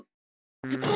ズコ！